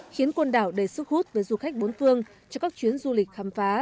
khiến côn đảo đầy sức hút với du khách bốn phương cho các chuyến du lịch khám phá